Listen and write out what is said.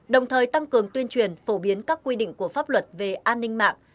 đồng thời tăng cường tuyên truyền phổ biến các quy định của pháp luật về an ninh mạng